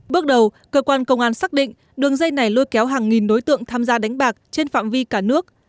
bước đầu cơ quan công an xác định đường dây này lôi kéo hàng nghìn đối tượng tham gia đánh bạc trên phạm vi cả nước